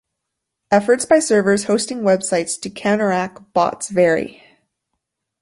Efforts by servers hosting websites to counteract bots vary.